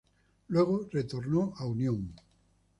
Luego retornó a Unión.